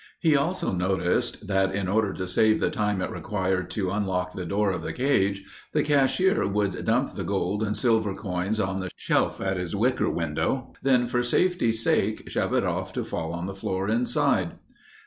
He also noticed that in order to save the time it required to unlock the door of the cage, the cashier would dump the gold and silver coins on the shelf at his wicker window, then for safety's sake, shove it off to fall on the floor inside.